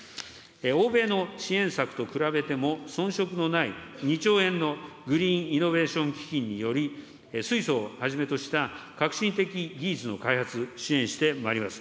欧米の支援策と比べても、遜色のない２兆円のグリーンイノベーション基金により、水素をはじめとした革新的技術の開発、支援してまいります。